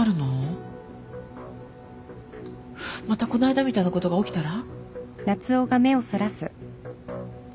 またこないだみたいなことが起きたら？